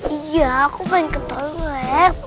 iya aku pengen ke toilet